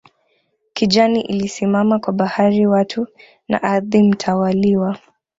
Kijani ilisimama kwa bahari watu na ardhi mtawaliwa